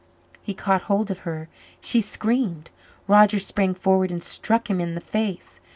He caught hold of her. She screamed. Roger sprang forward and struck him in the face.